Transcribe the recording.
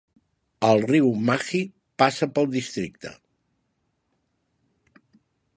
El riu Mahi passa pel districte.